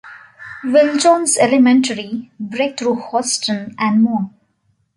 Will Jones Elementary, Breakthrough Houston, and more.